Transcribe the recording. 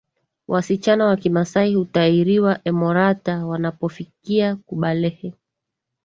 Wasichana wa kimasai hutahiriwa emorata wanapofikia balehe